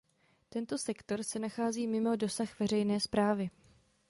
Tento sektor se nachází mimo dosah veřejné správy.